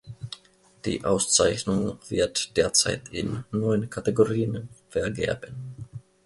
Die Auszeichnung wird derzeit in neun Kategorien vergeben.